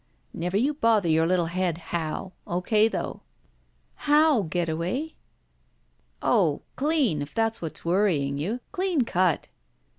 "Never jrou bother your Uttle head how; O. K., though." *'How, Getaway?" "Oh — clean — if that's what's worrying you. Clean cut."